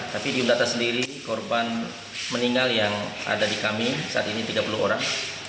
tapi di unta sendiri korban meninggal yang ada di kami saat ini tiga puluh orang